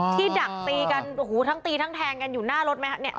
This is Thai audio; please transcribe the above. ที่ดักตีกันทั้งตีทั้งแทงกันอยู่หน้ารถไหมครับ